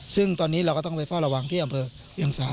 ซึ่งตอนนี้เราก็ต้องไปเฝ้าระวังที่อำเภอเวียงสา